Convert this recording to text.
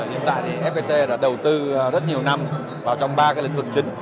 hiện tại thì fpt đã đầu tư rất nhiều năm vào trong ba lĩnh vực chính